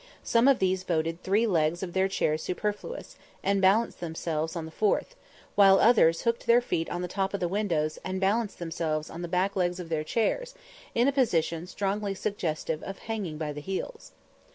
Some of these voted three legs of their chairs superfluous, and balanced themselves on the fourth; while others hooked their feet on the top of the windows, and balanced themselves on the back legs of their chairs, in a position strongly suggestive of hanging by the heels.